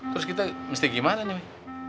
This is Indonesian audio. terus kita mesti gimana nya be